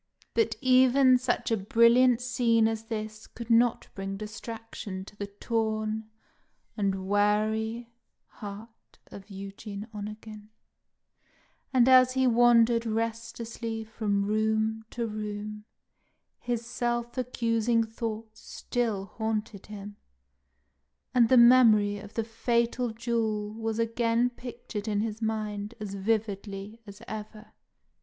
But even such a brilliant scene as this could not bring distraction to the torn and weary heart of Eugene Onegin; and as he wandered restlessly from room to room, his self accusing thoughts still haunted him, and the memory of the fatal duel was again pictured in his mind as vividly as ever.